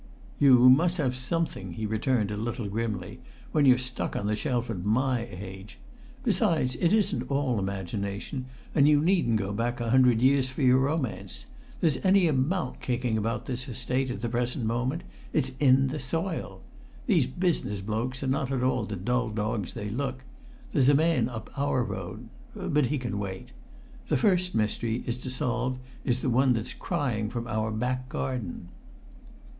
"You must have something," he returned a little grimly, "when you're stuck on the shelf at my age. Besides, it isn't all imagination, and you needn't go back a hundred years for your romance. There's any amount kicking about this Estate at the present moment; it's in the soil. These business blokes are not all the dull dogs they look. There's a man up our road but he can wait. The first mystery to solve is the one that's crying from our back garden."